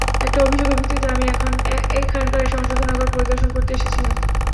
একটা অভিযোগের ভিত্তিতে আমি এখানকার সংশোধনাগার পরিদর্শন করতে এসেছিলাম।